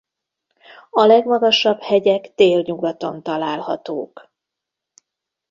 A legmagasabb hegyek délnyugaton találhatók.